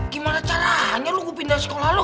gimana caranya lo gua pindah ke sekolah lo